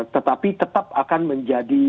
tetapi tetap akan menjadi